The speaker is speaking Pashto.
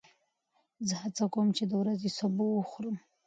زه هڅه کوم چې د ورځې سبو وخورم.